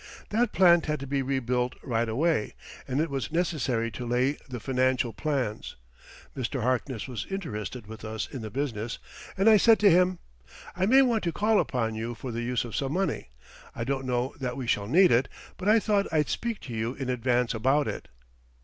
That plant had to be rebuilt right away, and it was necessary to lay the financial plans. Mr. Harkness was interested with us in the business, and I said to him: "I may want to call upon you for the use of some money. I don't know that we shall need it, but I thought I'd speak to you in advance about it."